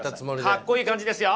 かっこいい感じですよ！